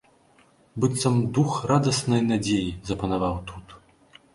Быццам дух радаснай надзеі запанаваў тут.